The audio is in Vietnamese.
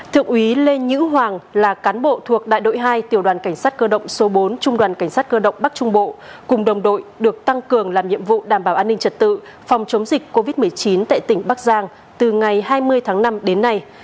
thượng úy lê nhữ hoàng là cán bộ thuộc đại đội hai tiểu đoàn cảnh sát cơ động số bốn trung đoàn cảnh sát cơ động bắc trung bộ cùng đồng đội được tăng cường làm nhiệm vụ đảm bảo an ninh trật tự phòng chống dịch covid một mươi chín tại tỉnh bắc giang từ ngày hai mươi tháng năm đến nay